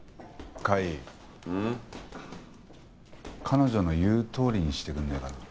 彼女の言うとおりにしてくんねえかな。